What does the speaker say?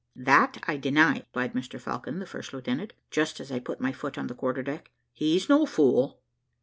"That I deny," replied Mr Falcon, the first lieutenant, just as I put my foot on the quarter deck; "he's no fool."